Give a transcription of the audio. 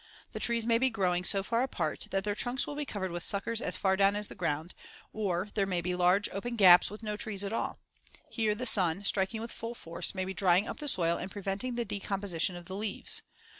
The trees may be growing so far apart that their trunks will be covered with suckers as far down as the ground, or there may be large, open gaps with no trees at all. Here the sun, striking with full force, may be drying up the soil and preventing the decomposition of the leaves.